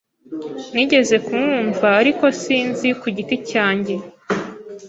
Nigeze kumwumva, ariko sinzi ku giti cyanjye.